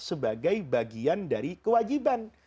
sebagai bagian dari kewajiban